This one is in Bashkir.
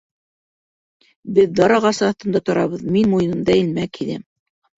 Беҙ дар ағасы аҫтында торабыҙ, мин муйынымда элмәк һиҙәм.